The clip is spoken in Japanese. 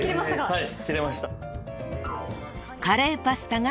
はい。